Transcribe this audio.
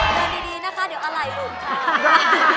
เยี่ยมดีนะคะเดี๋ยวเอาไหล่ผมค่ะ